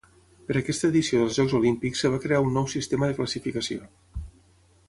Per aquesta edició dels Jocs Olímpics es va crear un nou sistema de classificació.